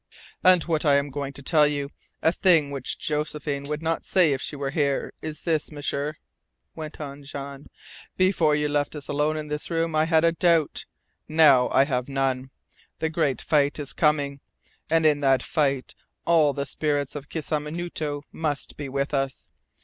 "And what I am going to tell you a thing which Josephine would not say if she were here, is this, M'sieur," went on Jean. "Before you left us alone in this room I had a doubt. Now I have none. The great fight is coming. And in that fight all the spirits of Kisamunito must be with us.